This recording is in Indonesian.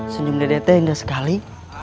senyum dede teh enggak sekali